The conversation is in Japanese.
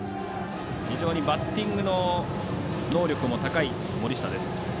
非常にバッティングの能力も高い森下です。